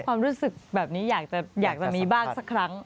ความรู้สึกแบบนี้อยากจะมีบ้างสักครั้ง